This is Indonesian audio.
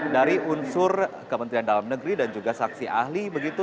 dari unsur kementerian dalam negeri dan juga saksi ahli begitu